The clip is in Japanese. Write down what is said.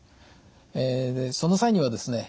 でその際にはですね